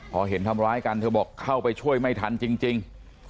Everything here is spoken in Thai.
พอเห็นทำร้ายกันเธอบอกเข้าไปช่วยไม่ทันจริง